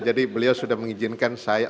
jadi beliau sudah mengizinkan saya